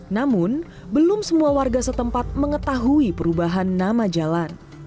namun belum semua warga setempat mengetahui perubahan nama jalan